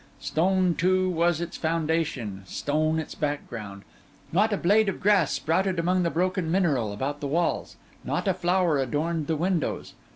Stone, too, was its foundation, stone its background. Not a blade of grass sprouted among the broken mineral about the walls, not a flower adorned the windows.